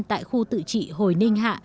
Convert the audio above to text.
tại khu tự trị hồi ninh hạ